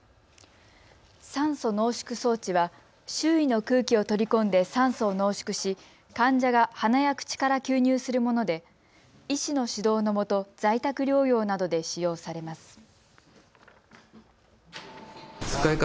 酸素濃縮装置は周囲の空気を取り込んで酸素を濃縮し患者が鼻や口から吸入するもので医師の指導のもと、在宅療養などで使用されます。